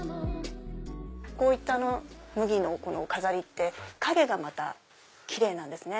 こういった麦の飾りって影がまた奇麗なんですね。